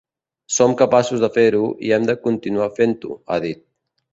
Som capaços de fer-ho i hem de continuar fent-ho, ha dit.